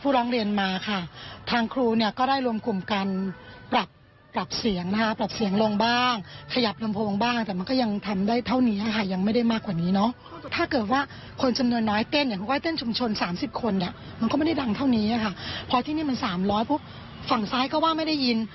พอที่นี่มัน๓๐๐ฝั่งซ้ายก็ว่าไม่ได้ยิน